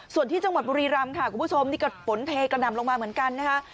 ส่วนที่จังหวัดบุรีรำค่ะคุณผู้ชมนี่ก็ฝนเทกระหน่ำลงมาเหมือนกันนะคะ